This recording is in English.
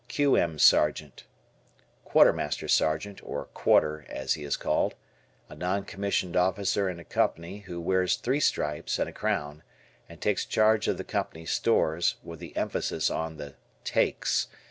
Q. M. Sergeant. Quartermaster Sergeant, or "Quarter" as he is called. A non commissioned officer in a company who wears three stripes and a crown, and takes charge of the company stores, with the emphasis on the "takes."